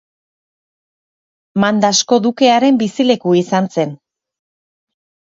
Mandasko dukearen bizileku izan zen.